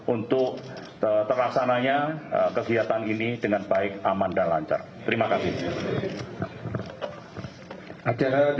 untuk terlaksananya kegiatan ini dengan baik aman dan lancar